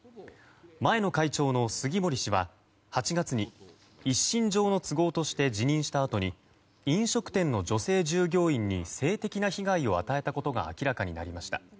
前の会長の杉森氏は８月に一身上の都合として辞任したあとに飲食店の女性従業員に性的な被害を与えたことが明らかになりました。